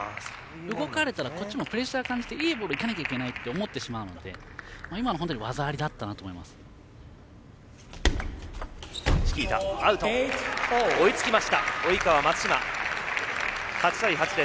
動かれたら、こっちもプレッシャーを感じていいボールをいかなきゃいけないって思ってしまうので今のは技ありだなと思います。